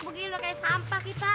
begini lu kaya sampah kita